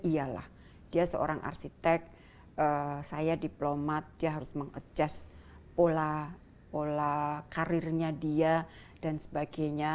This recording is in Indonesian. iya lah dia seorang arsitek saya diplomat dia harus mengadjust pola karirnya dia dan sebagainya